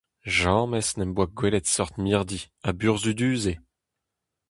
James ne'm boa gwelet seurt mirdi ha burzhudus eo !